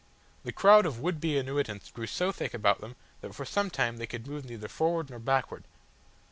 The crowd of would be annuitants grew so thick about them that for some time they could move neither forward nor backward.